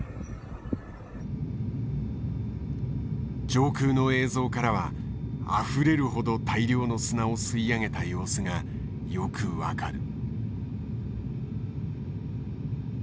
上空の映像からはあふれるほど大量の砂を吸い上げた様子がよく分かる。